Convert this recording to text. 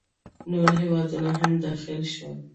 نور هیوادونه هم داخل شول.